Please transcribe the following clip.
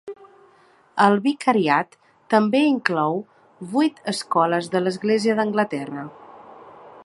El vicariat també inclou vuit escoles de l'Església d'Anglaterra.